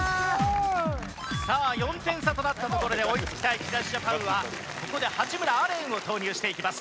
さあ４点差となったところで追いつきたい木梨ジャパンはここで八村阿蓮を投入していきます。